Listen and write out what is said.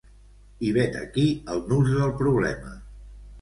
I vet aquí el nus del problema.